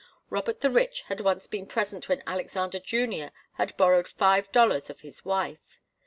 Robert the Rich had once been present when Alexander Junior had borrowed five dollars of his wife.